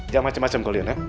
jangan macem macem kalian ya